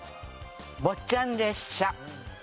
坊っちゃん列車。